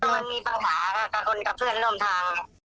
มันมีปัญหากับคนกับเพื่อนร่วมทาง